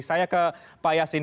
saya ke pak yasin